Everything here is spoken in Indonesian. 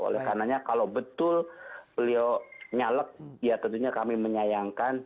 oleh karenanya kalau betul beliau nyalek ya tentunya kami menyayangkan